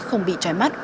không bị trói mắt